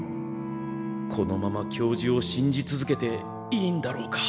このまま教授を信じ続けていいんだろうか。